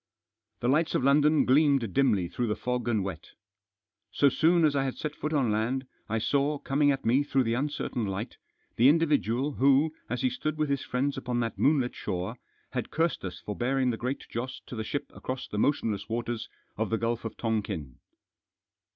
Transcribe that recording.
The lights of London gleamed dimly through the fog and wet. So soon as I had set foot on land I saw, coming at me through the uncertain light, the individual who, as he stood with his Digitized by THE TERMINATION OF THE VOYAGE. 289 friends upon that moonlit shore, had cursed us for bearing the Great Joss to the ship across the motion less waters of the Gulf of Tongking.